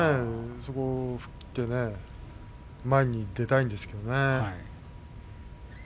そこを吹っ切って前に出たいですけれどもね。